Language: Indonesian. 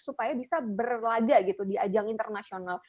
supaya bisa berlaga gitu di ajang internasional